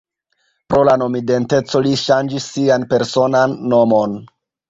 Pro la nomidenteco li ŝanĝis sian personan nomon.